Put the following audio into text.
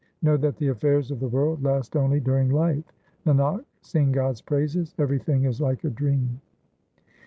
Know that the affairs of the world last only during life. Nanak, sing God's praises ; everything is like a dream.